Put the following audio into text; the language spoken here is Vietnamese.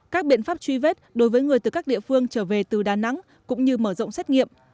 các biện pháp truy vết đối với người từ các địa phương trở về từ đà nẵng cũng như mở rộng xét nghiệm